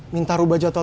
minta rubah jatuh